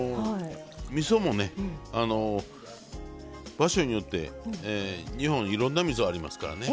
場所によって日本いろんなみそありますからね。